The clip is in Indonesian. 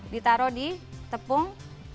ditaruh di tepung